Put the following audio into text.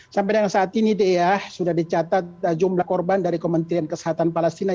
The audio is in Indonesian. sampai dengan saat ini dea sudah dicatat jumlah korban dari kementerian kesehatan palestina